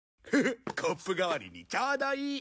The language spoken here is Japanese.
コップ代わりにちょうどいい。